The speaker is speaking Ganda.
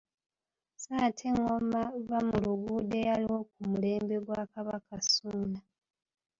Sso ate engoma vvamuluguudo eyaliwo ku mulembe gwa Kabaka Ssuuna.